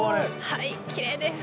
はいきれいです。